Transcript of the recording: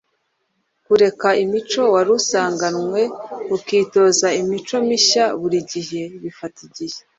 Kureka imico wari usanganwe ukitoza imico mishya buri gihe bifata igihe